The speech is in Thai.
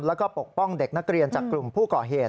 แล้วก็ปกป้องเด็กนักเรียนจากกลุ่มผู้ก่อเหตุ